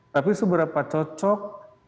tapi seberapa cocok